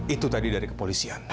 itu tadi dari kepolisian